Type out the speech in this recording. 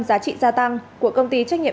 giá trị gia tăng của công ty trách nhiệm